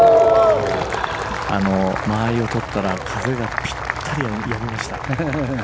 間合いを取ったら風がぴったりやみました。